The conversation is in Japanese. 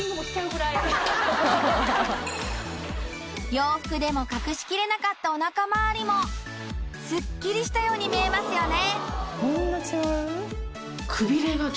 洋服でも隠し切れなかったお腹周りもすっきりしたように見えますよね